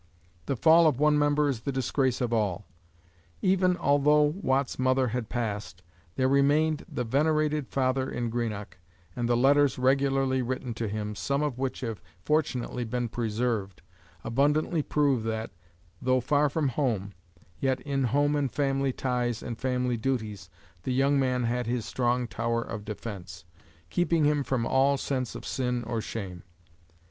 The fall of one member is the disgrace of all. Even although Watt's mother had passed, there remained the venerated father in Greenock, and the letters regularly written to him, some of which have fortunately been preserved, abundantly prove that, tho far from home, yet in home and family ties and family duties the young man had his strong tower of defence, keeping him from "all sense of sin or shame."